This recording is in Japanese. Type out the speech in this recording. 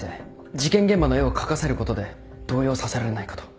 事件現場の絵を描かせることで動揺させられないかと。